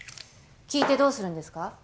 聞いてどうするんですか？